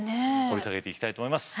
掘り下げていきたいと思います。